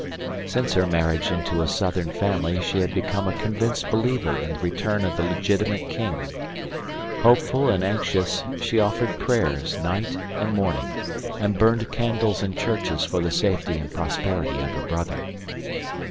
Since her marriage into a Southern family she had become a convinced believer in the return of the legitimate king. Hopeful and anxious she offered prayers night and morning, and burned candles in churches for the safety and prosperity of her brother.